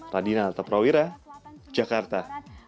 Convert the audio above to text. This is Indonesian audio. radina alta prawira jakarta